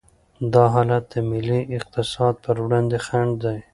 دا حالت د ملي اقتصاد پر وړاندې خنډ دی.